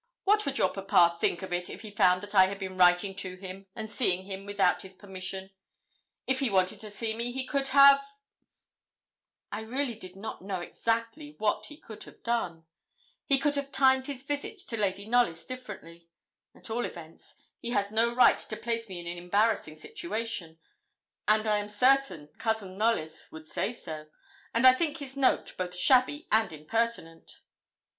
What would your papa think of it if he found that I had been writing to him, and seeing him without his permission? If he wanted to see me he could have' (I really did not know exactly what he could have done) 'he could have timed his visit to Lady Knollys differently; at all events, he has no right to place me in an embarrassing situation, and I am certain Cousin Knollys would say so; and I think his note both shabby and impertinent.'